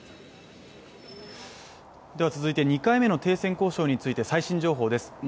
続いて２回目の停戦交渉について最新情報です。